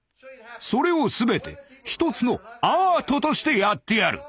それを全て一つの「アート」としてやってやる。